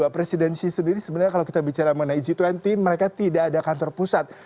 presidensi sendiri sebenarnya kalau kita bicara mengenai g dua puluh mereka tidak ada kantor pusat